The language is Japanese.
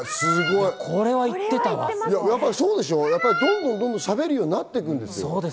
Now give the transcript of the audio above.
どんどん、どんどんしゃべるようになっていくんですよ。